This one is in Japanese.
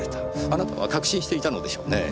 あなたは確信していたのでしょうね。